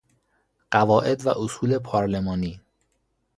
قواعد و اصول پارلمانی